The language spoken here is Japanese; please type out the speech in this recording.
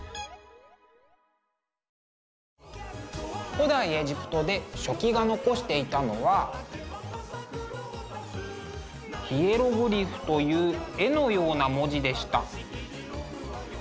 古代エジプトで書記が残していたのはヒエログリフという絵のような文字でした。